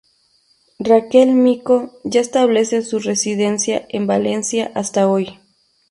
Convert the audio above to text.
Raquel Micó ya establece su residencia en Valencia hasta hoy.